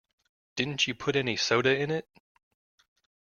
Didn't you put any soda in it?